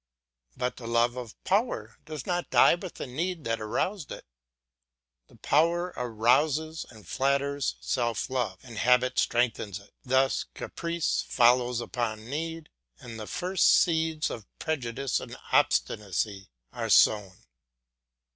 But the love of power does not die with the need that aroused it; power arouses and flatters self love, and habit strengthens it; thus caprice follows upon need, and the first seeds of prejudice and obstinacy are sown.